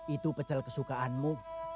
itu pecel kesukaanmu